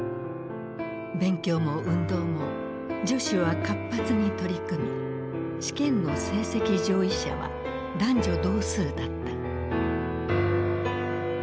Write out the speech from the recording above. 勉強も運動も女子は活発に取り組み試験の成績上位者は男女同数だった。